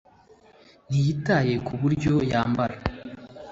ntiyitaye kuburyo yambara